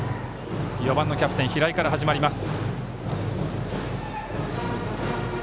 ４番、キャプテンの平井から始まります。